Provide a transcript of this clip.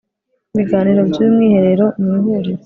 biganiro by uyu mwiherero mu ihuriro